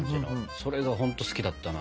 それがほんと好きだったな。